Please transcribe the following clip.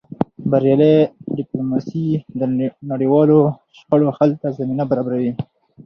بریالۍ ډیپلوماسي د نړیوالو شخړو حل ته زمینه برابروي.